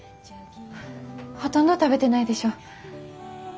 ほとんど食べてないでしょ？